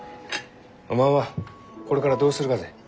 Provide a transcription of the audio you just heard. おまんはこれからどうするがぜ？